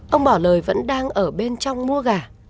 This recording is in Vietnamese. ông bà lợi vẫn đang ở bên trong mua gà